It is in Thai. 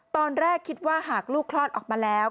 ตอนแรกคิดว่าหากลูกคลอดออกมาแล้ว